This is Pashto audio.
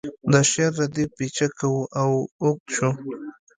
د شعر ردیف پیچکه و او اوږد شو